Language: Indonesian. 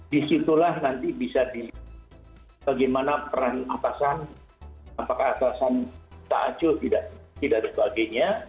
disitulah nanti bisa di bagaimana peran atasan apakah atasan tak acur tidak dan sebagainya